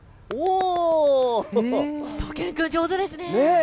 しゅと犬くん、上手ですね。